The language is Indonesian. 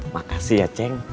makasih ya ceng